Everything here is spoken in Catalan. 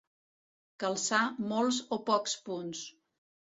Calçar molts o pocs punts.